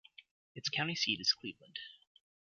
Its county seat is Cleveland.